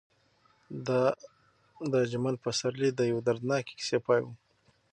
دا د اجمل پسرلي د یوې دردناکې کیسې پای و.